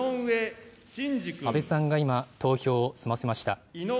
安倍さんが今、投票を済ませました。